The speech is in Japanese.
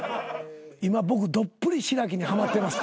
「今僕どっぷりしらきにはまってます」